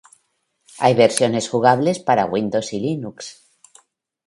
Hay versiones jugables para Windows y Linux.